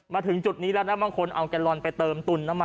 มาถึงจุดนี้แล้วนะบางคนเอาแกลลอนไปเติมตุนน้ำมัน